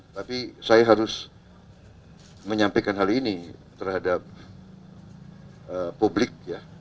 tapi saya harus menyampaikan hal ini terhadap publik ya